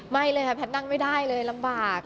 ไม่เลยครับพระนักนั่งไม่ได้เลยรำบาก